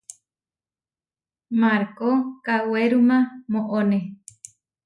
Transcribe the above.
Markó kawéruma moʼoné.